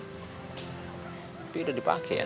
tapi udah dipake ya